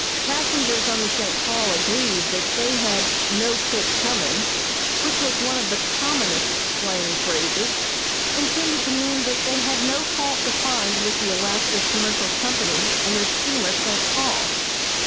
Passengers on the "St. Paul" agreed that they had "no kick comin'," which was one of the commonest slang phrases, intended to mean that they had no fault to find with the Alaska Commercial Company and their steamer "St. Paul."